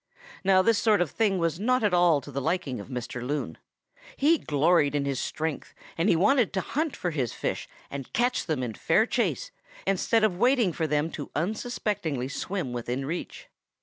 "Now this sort of thing was not at all to the liking of Mr. Loon. He gloried in his strength and he wanted to hunt for his fish and catch them in fair chase instead of waiting for them to unsuspectingly swim within reach.